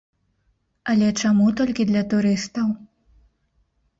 Але чаму толькі для турыстаў?